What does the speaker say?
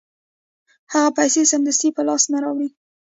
هغه پیسې سمدستي په لاس نه راوړي